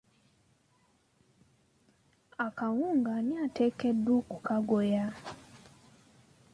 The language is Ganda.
Akawunga ani ateekeddwa okukagoya?